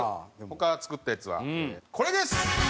他作ったやつはこれです！